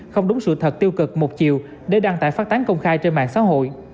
không đúng sự thật tiêu cực một chiều để đăng tải phát tán công khai trên mạng xã hội